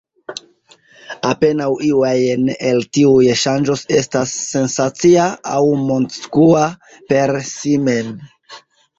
Apenaŭ iu ajn el tiuj ŝanĝoj estas sensacia aŭ mondskua per si mem.